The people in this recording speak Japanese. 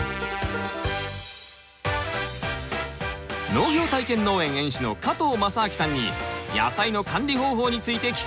農業体験農園園主の加藤正明さんに野菜の管理方法について聞くコーナー。